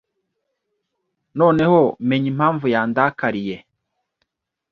Noneho menye impamvu yandakariye.